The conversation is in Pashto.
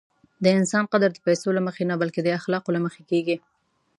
د انسان قدر د پیسو له مخې نه، بلکې د اخلاقو له مخې کېږي.